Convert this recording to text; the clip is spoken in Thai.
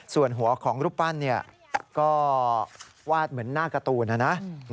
ส่วนหัวของรูปปั้นก็วาดเหมือนหน้าการ์ตูนนะนะ